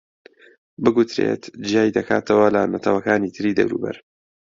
بگوترێت جیای دەکاتەوە لە نەتەوەکانی تری دەوروبەر